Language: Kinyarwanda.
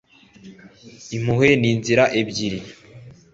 impuhwe ni inzira ebyiri